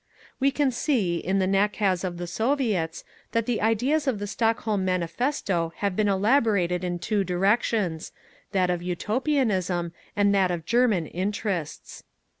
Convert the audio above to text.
"We can see, in the nakaz of the Soviets, that the ideas of the Stockholm Manifesto have been elaborated in two direction—that of Utopianism, and that of German interests…."